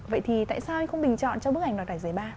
vậy thì tại sao anh không bình chọn cho bức ảnh đoạt giải ba